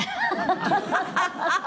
「ハハハハ！」